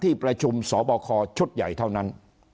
ที่ประชุมสบคชุดใหญ่เท่านั้น